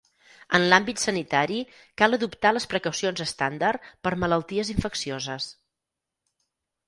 En l'àmbit sanitari cal adoptar les precaucions estàndard per malalties infeccioses.